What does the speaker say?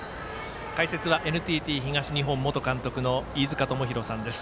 解説はＮＴＴ東日本元監督の飯塚智広さんです。